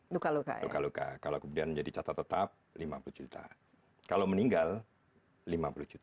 luka luka luka luka kalau kemudian jadi catat tetap lima puluh juta kalau meninggal lima puluh juta